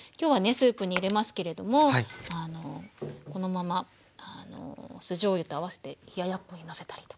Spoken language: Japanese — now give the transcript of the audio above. スープに入れますけれどもこのまま酢じょうゆと合わせて冷ややっこにのせたりとか。